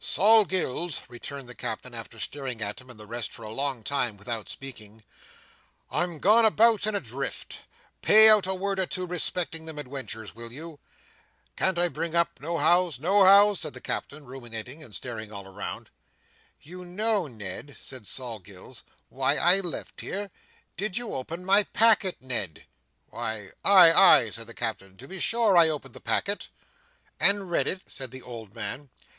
"Sol Gills," returned the Captain, after staring at him and the rest for a long time, without speaking, "I'm gone about and adrift. Pay out a word or two respecting them adwenturs, will you! Can't I bring up, nohows? Nohows?" said the Captain, ruminating, and staring all round. "You know, Ned," said Sol Gills, "why I left here. Did you open my packet, Ned?" "Why, ay, ay," said the Captain. "To be sure, I opened the packet." "And read it?" said the old man.